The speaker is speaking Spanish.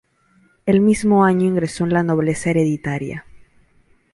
El mismo año, ingresó en la nobleza hereditaria.